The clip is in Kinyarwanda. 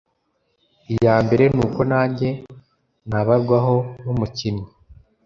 iya mbere ni uko nanjye nabarwaga nk’umukinnyi